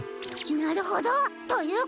なるほど。ということは。